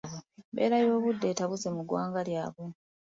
Embeera y'obudde etabuse mu ggwanga lyabwe.